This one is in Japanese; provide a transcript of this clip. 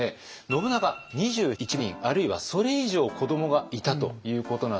信長２１人あるいはそれ以上子どもがいたということなんですけれども。